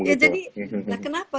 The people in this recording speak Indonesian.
ya jadi kenapa